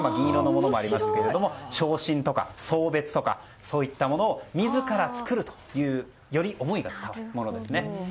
また、昇進とか送別とか、そういったものを自ら作るというより思いが伝わるものですね。